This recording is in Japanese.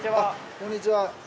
こんにちは。